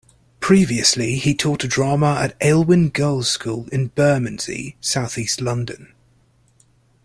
Previously, he taught drama at Aylwin Girls School in Bermondsey, south east London.